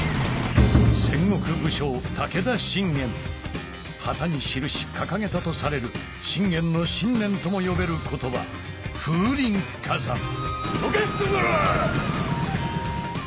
戦国武将武田信玄旗にしるし掲げたとされる信玄の信念とも呼べる言葉「風林火山」どけっつってんだろ！